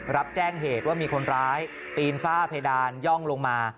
รับแจ้งเหตุว่ามีคนร้ายปีนฝ้าเพดานย่องลงมา